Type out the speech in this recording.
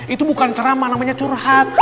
itu bukan ceramah namanya curhat